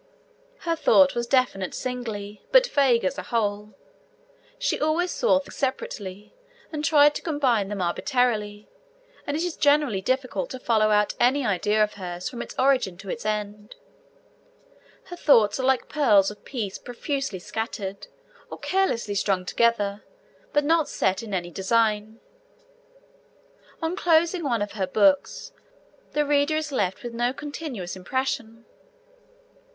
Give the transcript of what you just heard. Her thought was definite singly, but vague as a whole. She always saw things separately, and tried to combine them arbitrarily, and it is generally difficult to follow out any idea of hers from its origin to its end. Her thoughts are like pearls of price profusely scattered, or carelessly strung together, but not set in any design. On closing one of her books, the reader is left with no continuous impression.